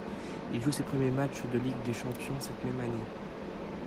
Il joue ses premiers matchs de Ligue des champions cette même année.